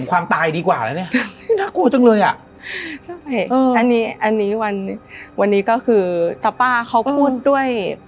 วันนี้ก็คือแต่ป้าเขาพูดด้วย